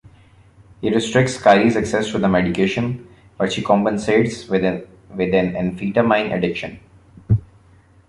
He restricts Kylie's access to the medication but she compensates with an anphetamine addiction.